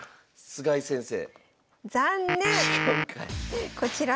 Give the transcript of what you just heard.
菅井先生